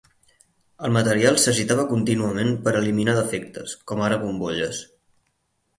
El material s'agitava contínuament per eliminar defectes, com ara bombolles.